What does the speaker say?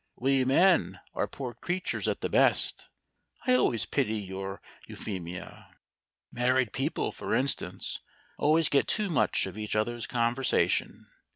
We men are poor creatures at the best I always pity your Euphemia. Married people, for instance, always get too much of each other's conversation.